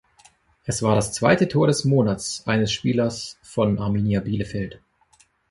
Es war das zweite Tor des Monats eines Spielers von Arminia Bielefeld.